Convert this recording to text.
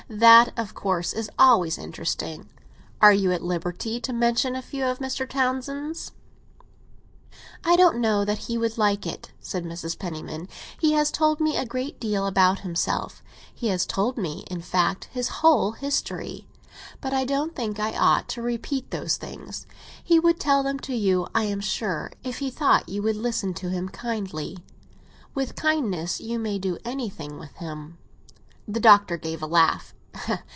That, of course, is always interesting. Are you at liberty to mention a few of Mr. Townsend's?" "I don't know that he would like it," said Mrs. Penniman. "He has told me a great deal about himself—he has told me, in fact, his whole history. But I don't think I ought to repeat those things. He would tell them to you, I am sure, if he thought you would listen to him kindly. With kindness you may do anything with him." The Doctor gave a laugh.